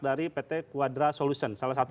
dari pt quadra solution salah satu